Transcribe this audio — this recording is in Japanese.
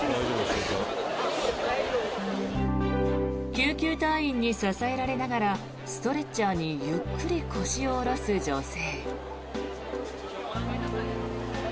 救急隊員に支えられながらストレッチャーにゆっくり腰を下ろす女性。